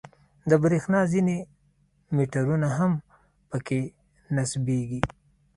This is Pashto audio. د برېښنا ځینې میټرونه هم په کې نصبېږي.